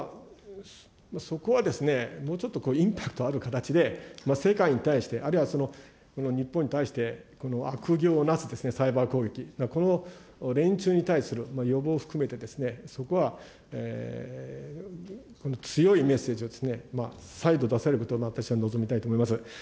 そこはですね、もうちょっとインパクトある形で世界に対して、あるいは日本に対して悪行をなすサイバー攻撃、この連中に対する予防を含めて、そこは強いメッセージを、再度出されると私は望みたいと思います。